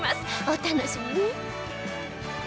お楽しみに